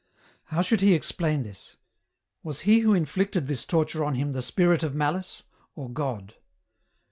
How should he explain this ? Was he who inflicted this torture on him the Spirit of Malice, or God